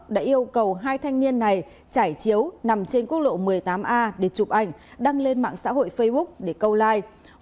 đã yêu cầu hai thanh niên này trải chiếu nằm trên quốc lộ một mươi tám a để chụp ảnh đăng lên mạng xã hội facebook để câu like